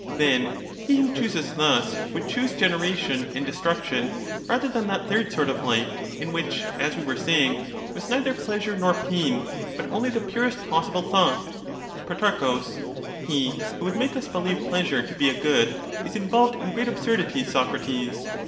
Then he who chooses thus, would choose generation and destruction rather than that third sort of life, in which, as we were saying, was neither pleasure nor pain, but only the purest possible thought Pro. He who would make us believe pleasure to be a good is involved in great absurdities, Socrates.